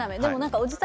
おじさん